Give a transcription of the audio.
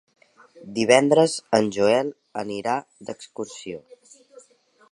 Divendres en Joel anirà d'excursió.